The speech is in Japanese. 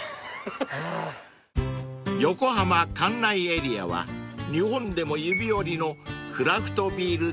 ［横浜関内エリアは日本でも指折りのクラフトビール